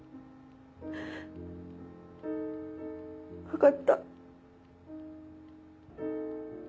分かった。